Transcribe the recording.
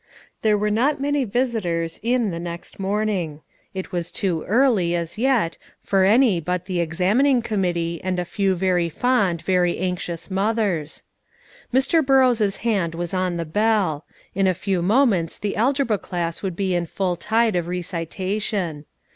There were not many visitors in the next morning; it was too early, as yet, for any but the examining committee, and a few very fond, very anxious mothers. Mr. Burrows' hand was on the bell; in a few moments the algebra class would be in full tide of recitation.